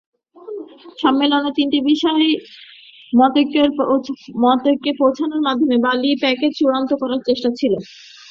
সম্মেলনে তিনটি বিষয়ে মতৈক্যে পৌঁছানোর মাধ্যমে বালি প্যাকেজ চূড়ান্ত করার চেষ্টা ছিল।